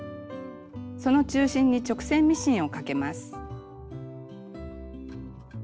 その中心に直線ミシンをかけます。